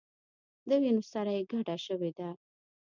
د وینو سره یې ګډه شوې ده.